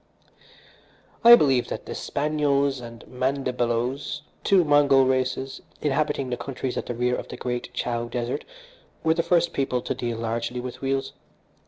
"I believe that the Spanyols and Mandibaloes, two Mongol races inhabiting the countries at the rear of the Great Chow Desert, were the first people to deal largely with wheels.